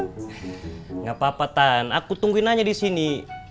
gapapa tan aku tungguin aja disini